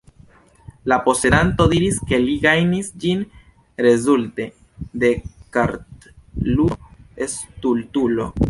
La posedanto diris, ke li gajnis ĝin rezulte de kartludo Stultulo.